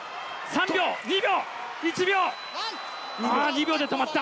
３秒２秒１秒！